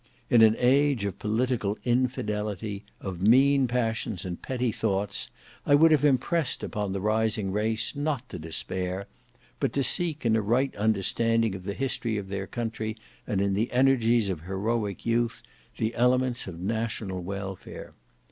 In an age of political infidelity, of mean passions and petty thoughts, I would have impressed upon the rising race not to despair, but to seek in a right understanding of the history of their country and in the energies of heroic youth—the elements of national welfare.